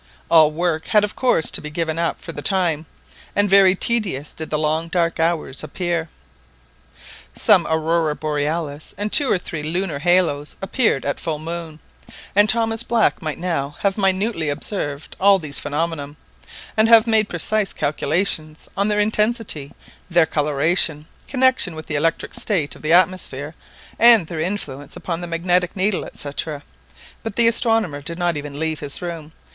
All work had of course to be given up for the time, and very tedious did the long dark hours appear. Some Auroræ Borealis and two or three lunar halos appeared at full moon, and Thomas Black might now have minutely observed all these phenomenon, and have made precise calculations on their intensity, their coloration, connection with the electric state of the atmosphere, and their influence upon the magnetic needle, &c. But the astronomer did not even leave his room.